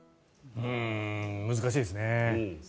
難しいですね。